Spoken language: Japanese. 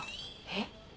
えっ？